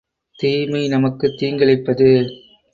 தீமை நமக்குத் தீங்கிழைப்பது.